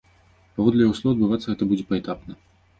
Паводле яго слоў, адбывацца гэта будзе паэтапна.